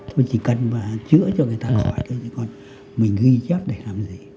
tôi chỉ cần chữa cho người ta khỏi thôi còn mình ghi chép để làm gì